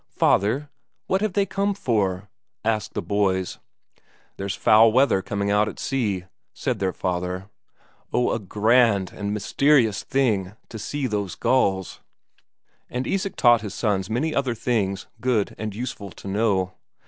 "Father, what have they come for?" asked the boys. "There's foul weather coming out at sea," said their father. Oh, a grand and mysterious thing to see those gulls! And Isak taught his sons many other things good and useful to know.